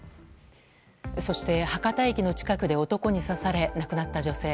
そして博多駅の近くで男に刺され亡くなった女性。